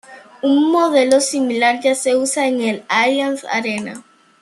Un modelo similar ya se usa en el Allianz Arena.